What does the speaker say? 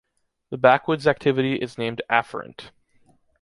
The backwards activity is named “afferent”.